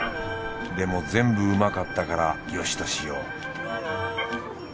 でも全部うまかったからよしとしよう。